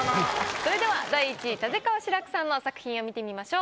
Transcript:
それでは第１位立川志らくさんの作品を見てみましょう。